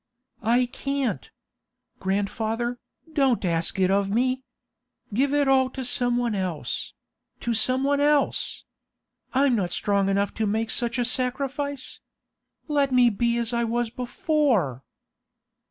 'I can't! Grandfather, don't ask it of me! Give it all to some one else—to some one else! I'm not strong enough to make such a sacrifice. Let me be as I was before!